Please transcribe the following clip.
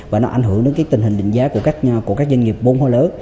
và nó ảnh hưởng đến tình hình định giá của các doanh nghiệp vốn hoa lớn